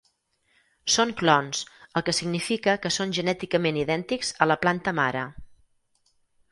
Són clons, el que significa que són genèticament idèntics a la planta mare.